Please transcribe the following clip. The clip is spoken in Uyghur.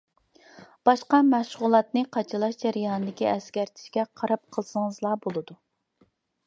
باشقا مەشغۇلاتنى قاچىلاش جەريانىدىكى ئەسكەرتىشكە قاراپ قىلسىڭىزلا بولىدۇ.